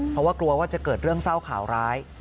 เพราะว่ากลัวว่าจะเกิดเรื่องเศร้าข่าวร้าย